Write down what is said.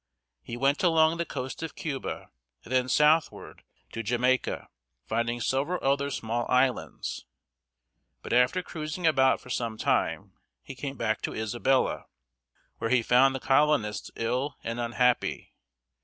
He went along the coast of Cuba, and then southward to Ja māi´ca, finding several other small islands. But after cruising about for some time, he came back to Isabella, where he found the colonists ill and unhappy.